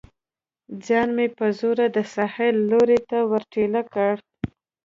ځان مې په زوره د ساحل لور ته ور ټېله کړ.